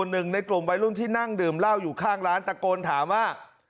หนึ่งในกลุ่มวัยรุ่นที่นั่งดื่มเหล้าอยู่ข้างร้านตะโกนถามว่า